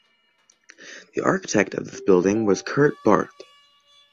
The architect of this building was Kurt Barth.